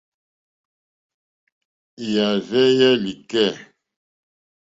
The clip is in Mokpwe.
Yààrzéyɛ́ lìkɛ̂.